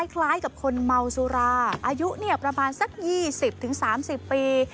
คล้ายกับคนเมาสุราอายุประมาณสัก๒๐๓๐ปี